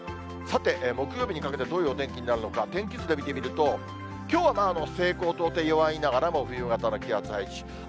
さて、木曜日にかけて、どういうお天気になるのか、天気図で見てみると、きょうは西高東低、弱いながらも冬型の気圧配置。